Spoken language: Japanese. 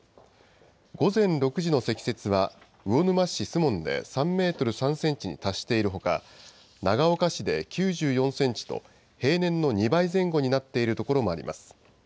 午前６時の積雪は魚沼市守門で３メートル３センチに達しているほか、長岡市で９４センチと、平年の２倍前後になっている所もあります。